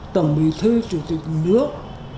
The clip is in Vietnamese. tổng bí thư chủ tịch nước